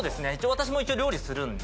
私も一応料理するんで。